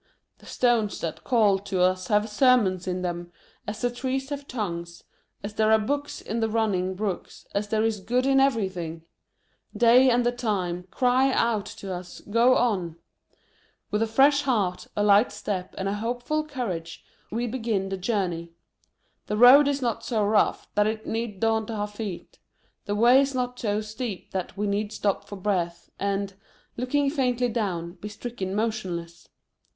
The stones that call to us have sermons in them, as the trees have tongues, as there are books in the running brooks, as there is good in everytliing ! They, and the Time, cry out to us Go on ! With a fresh heart, a light step, and a hopeful courage, we begin the journey. The road is not so rough that it need daunt our feet : the way is not so steep that we need stop for breath, and, looking faintly down, be stricken motion less.